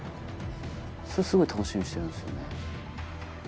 それすごい楽しみにしてるんですよね。